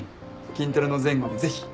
筋トレの前後にぜひ。